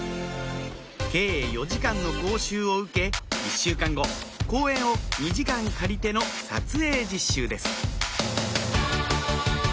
計４時間の講習を受け１週間後公園を２時間借りての撮影実習です